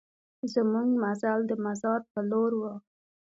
زمونږ مزل د مزار په لور و.